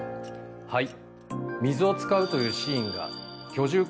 はい。